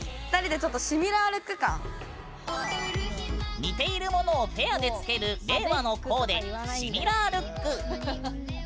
似ているものをペアでつける令和のコーデ「シミラールック」。